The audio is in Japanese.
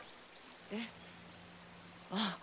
えっああ